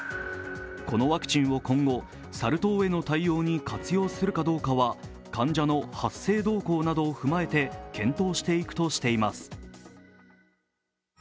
このワクチンを今後、サル痘への対応に活用するかどうかは患者の発生動向などを踏まえて検討していくとしています。